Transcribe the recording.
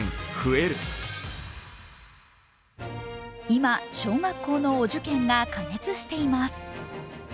今、小学校のお受験が過熱しています。